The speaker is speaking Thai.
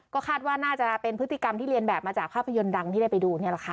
ก็คาดว่าน่าจะเป็นพฤติกรรมที่เรียนแบบมาจากภาพยนตร์ดังที่ได้ไปดูนี่แหละค่ะ